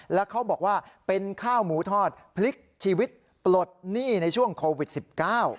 แล้วเขาบอกว่าเป็นข้าวหมูทอดพลิกชีวิตปลดหนี้ในช่วงโควิดสิบเก้า